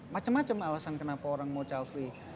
macem macem alasan kenapa orang mau childfree